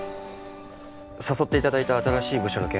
誘って頂いた新しい部署の件。